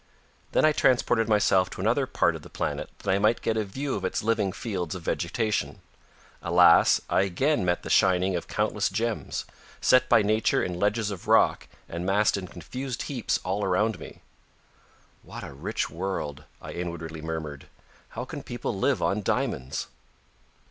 Then I transported myself to another part of the planet that I might get a view of its living fields of vegetation. Alas, I again met the shining of countless gems, set by nature in ledges of rock and massed in confused heaps all around me. "What a rich world!" I inwardly murmured. "How can people live on diamonds?"